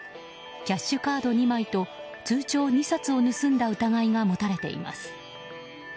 キャッシュカード２枚と通帳２冊を盗んだ疑いが持たれています。